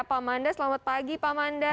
pak manda selamat pagi pak manda